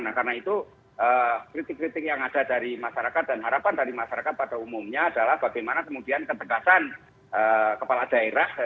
nah karena itu kritik kritik yang ada dari masyarakat dan harapan dari masyarakat pada umumnya adalah bagaimana kemudian ketegasan kepala daerah